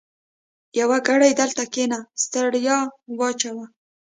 يوه ګړۍ دلته کېنه؛ ستړیا واچوه.